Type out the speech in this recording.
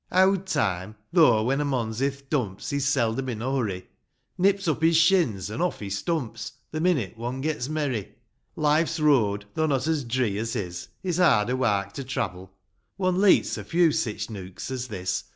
II. Ovvd Time, — though, when a mon's i'th dumps, He's seldom in a hurry, — Nips up his shins, an' off he stumps, The minute one gets merry ; Life's road, — though not as dree"* as his, — It's harder wark to travel ; One leets o' few sich nooks as this.